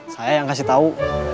saya yang kasih tahu